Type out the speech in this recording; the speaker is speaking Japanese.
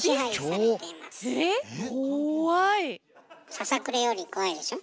ささくれより怖いでしょ？